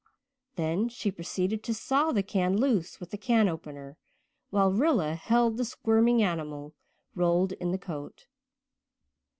Then she proceeded to saw the can loose with a can opener, while Rilla held the squirming animal, rolled in the coat.